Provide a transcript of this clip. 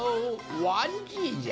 わんじいじゃ。